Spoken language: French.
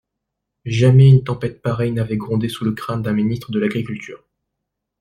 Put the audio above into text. Jamais une tempête pareille n'avait grondé sous le crâne d'un ministre de l'agriculture.